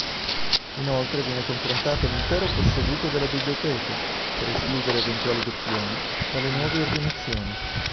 Inoltre viene confrontato l'intero posseduto della biblioteca per escludere eventuali doppioni dalle nuove ordinazioni.